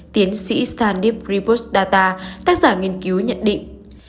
tiến sĩ stan dibb ribosdata tác giả nghiên cứu nhận định